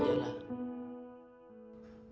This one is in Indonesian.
ini dia lah